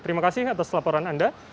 terima kasih atas laporan anda